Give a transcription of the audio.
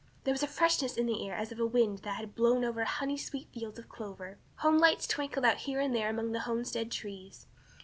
There was a freshness in the air as of a wind that had blown over honey sweet fields of clover. Home lights twinkled out here and there among the homestead trees.